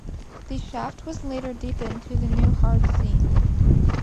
The shaft was later deepened to the New Hards Seam.